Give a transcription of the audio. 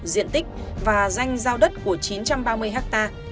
diện tích và danh giao đất của chín trăm ba mươi ha